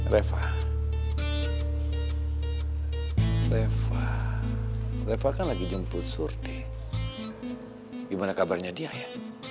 reva reva reva kan lagi jemput survei gimana kabarnya dia ya